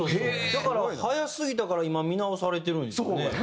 だから早すぎたから今見直されてるんですよね。